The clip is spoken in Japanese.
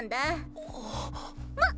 あっ！